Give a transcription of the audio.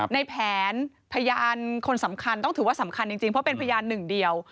ในแผนพยานคนสำคัญต้องถือว่าสำคัญจริงเพราะเป็นพยานหนึ่งเดียว